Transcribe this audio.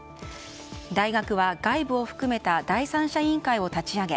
大学は、外部を含めた第三者委員会を立ち上げ